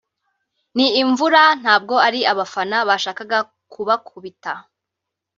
ni imvura ntabwo ari abafana bashakaga kubakubita